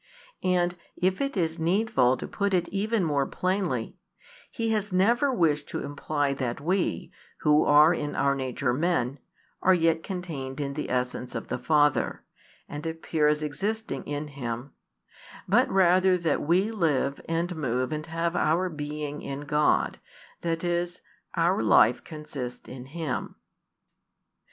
And, if it is needful to put it even more plainly, he has never wished to imply that we, who are in our nature men, are yet contained in the essence of the Father, and appear as existing in Him; but rather that we live and move and have our being in God, that is, our life consists in Him.